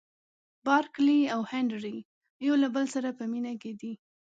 بارکلي او هنري یو له بل سره په مینه کې دي.